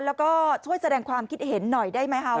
แล้วก็ช่วยแสดงความคิดเห็นหน่อยได้ไหมคะ